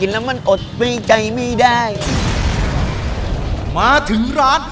อุ้ยนานจังเลยครับ